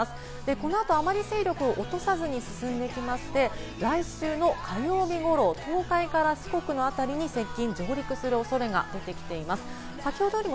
この後、あまり勢力を落とさずに進みまして、来週の火曜日頃、東海から四国の辺りに接近、上陸する恐れが出てきています。